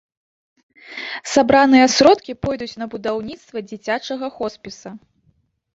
Сабраныя сродкі пойдуць на будаўніцтва дзіцячага хоспіса.